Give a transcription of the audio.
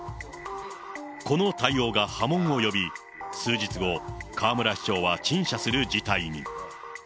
この対応が波紋を呼び、数日後、河村市長は陳謝する事態に。